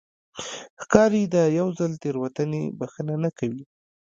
ښکاري د یو ځل تېروتنې بښنه نه کوي.